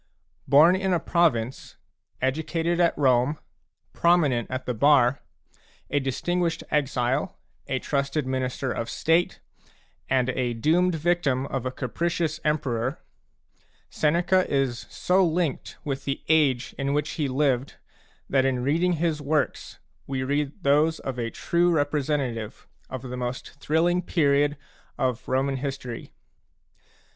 Born in a province, educated at Rome, prominent at the bar, a distinguished exile, a trusted minister of State, and a doomed victim of a capricious emperor, Seneca is so linked with the age in which he lived that in reading his works we read those of a true representative of the most thrilling period of Roman history.